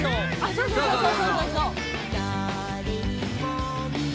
「そうそうそうそう」